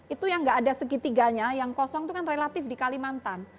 itu yang nggak ada segitiganya yang kosong itu kan relatif di kalimantan